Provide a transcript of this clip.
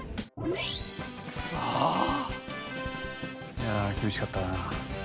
いや厳しかったな。